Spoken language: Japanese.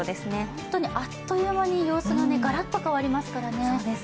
本当にあっという間に様子ががらっと変わりますからね。